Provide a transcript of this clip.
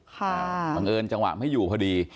เป็นจังหวะไม่อยู่พอดี